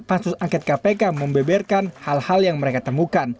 pansus angket kpk membeberkan hal hal yang mereka temukan